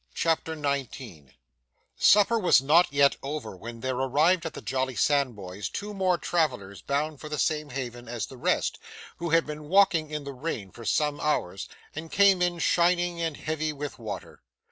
CHAPTER 19 Supper was not yet over, when there arrived at the Jolly Sandboys two more travellers bound for the same haven as the rest, who had been walking in the rain for some hours, and came in shining and heavy with water.